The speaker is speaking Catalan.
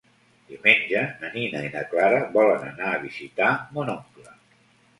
Diumenge na Nina i na Clara volen anar a visitar mon oncle.